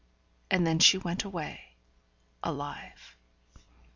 And then she went away, alive.